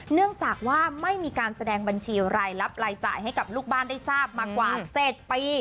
เนื่องจากว่าไม่มีการแสดงบัญชีรายรับรายจ่ายให้กับลูกบ้านได้ทราบมากว่า๗ปี